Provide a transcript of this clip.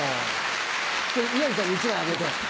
宮治さんに１枚あげて。